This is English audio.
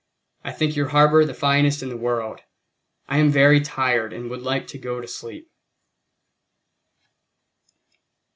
I think your harbor the finest in the world. I am very tired and would like to go to sleep."